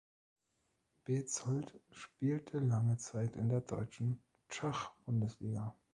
Bezold spielte lange Zeit in der deutschen Schachbundesliga.